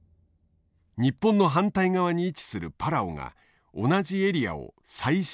日本の反対側に位置するパラオが同じエリアを再申請。